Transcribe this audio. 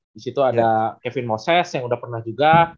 di situ ada kevin moses yang udah pernah juga